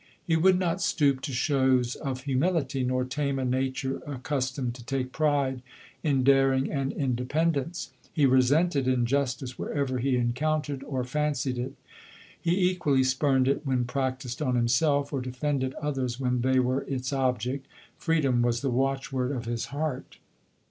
He would not stoop to shows of humility, nor tame a nature accus tomed to take pride in daring and independence. He resented injustiee wherever he encountered or fancied it ; he equally spurned it when prac tised on himself, or defended others when they were its object — freedom was the watchword of his heart.